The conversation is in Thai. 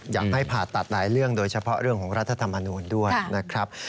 อยากให้ผ่าตัดหลายเรื่องโดยเฉพาะเรื่องของรัฐธรรมนูลด้วยนะครับ